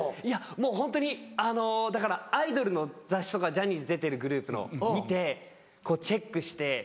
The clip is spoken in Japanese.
いやもうホントにだからアイドルの雑誌とかジャニーズ出てるグループの見てチェックして。